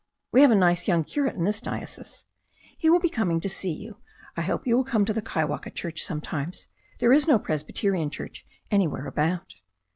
We have a nice young curate in this diocese. He will be coming to see you. I hope you will come to the Kaiwaka church sometimes. There is no Presbjrterian church anjrwhere about."